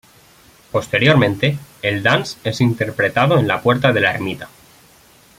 Posteriormente, el dance es interpretado en la puerta de la ermita.